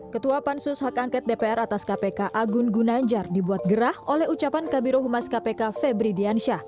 ketua pansus hak angket dpr atas kpk agun gunanjar dibuat gerah oleh ucapan kabiro humas kpk febri diansyah